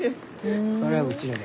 これはうちので。